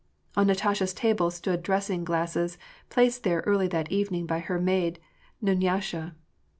On Natasha's table stood dressing glasses, placed there early that evening by her maid, Dunyasha.